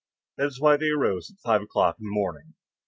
That is why they rose at five o'clock in the morning.